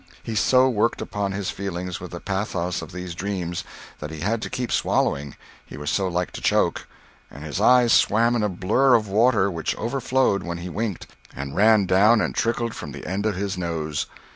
He so worked upon his feelings with the pathos of these dreams, that he had to keep swallowing, he was so like to choke; and his eyes swam in a blur of water, which overflowed when he winked, and ran down and trickled from the end of his nose.